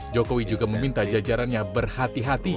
jokowi juga meminta jajarannya berhati hati